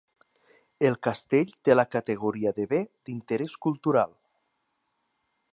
El castell té la categoria de Bé d'Interés Cultural.